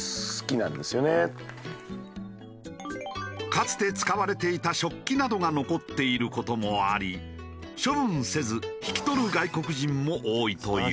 かつて使われていた食器などが残っている事もあり処分せず引き取る外国人も多いという。